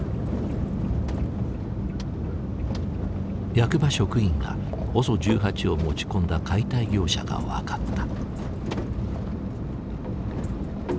役場職員がＯＳＯ１８を持ち込んだ解体業者が分かった。